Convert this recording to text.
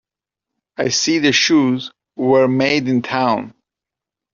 I see the shoes were made in town.